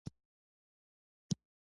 انا له نیکو خلکو سره مینه لري